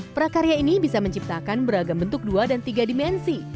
prakarya ini bisa menciptakan beragam bentuk dua dan tiga dimensi